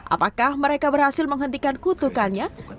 apakah mereka berhasil menghentikan kutukannya